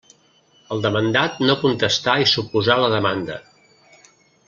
El demandat no contestà i s'oposà a la demanda.